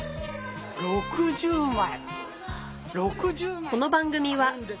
６０枚。